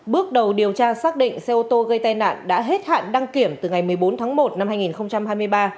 bước đầu điều tra xác định xe ô tô gây tai nạn đã hết hạn đăng kiểm từ ngày một mươi bốn tháng một năm hai nghìn hai mươi ba